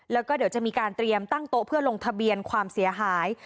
แล้วก็เดี๋ยวจะมีการเตรียมตั้งโต๊ะเพื่อลงทะเบียนความเสียหาย